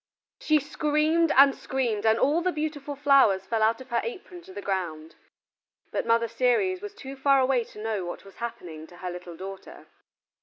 She screamed and screamed and all the beautiful flowers fell out of her apron to the ground. But Mother Ceres was too far away to know what was happening to her little daughter.